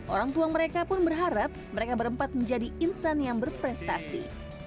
orang tua mereka pun berharap mereka berempat menjadi insan yang berprestasi